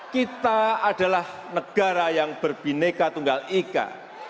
kita adalah negara yang berbineka tunggal ika